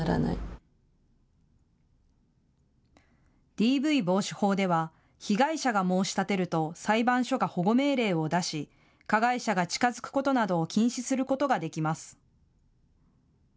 ＤＶ防止法では被害者が申し立てると裁判所が保護命令を出し加害者が近づくことなどを禁止することができます。